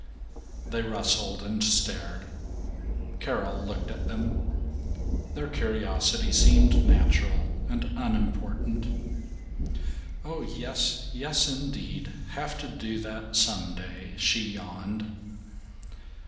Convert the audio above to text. They rustled and stared. Carol looked at them. Their curiosity seemed natural and unimportant. "Oh yes, yes indeed, have to do that some day," she yawned.